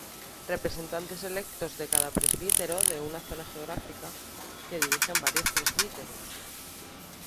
Representantes electos de cada presbítero de una zona geográfica, que dirigen varios presbíteros.